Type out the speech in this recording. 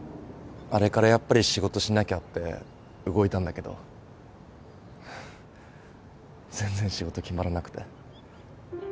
あれからやっぱり仕事しなきゃって動いたんだけどははっ全然仕事決まらなくて。